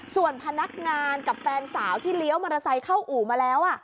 ส่วนพนักงานกับแฟนสาวที่เลี้ยวมอเตอร์ไซค์เข้าอู่มาแล้ว